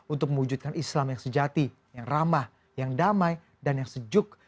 untuk mewujudkan islam yang sejati yang ramah yang damai dan yang sejuk